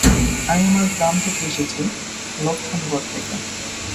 আমি আপনার গ্রাম থেকে এসেছি, লক্ষ্মণগড় থেকে।